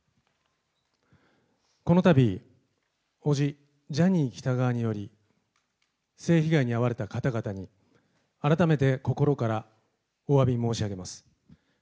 このたび、おじ、ジャニー喜多川により、性被害に遭われた方々に改めて心からおわび申し上げます。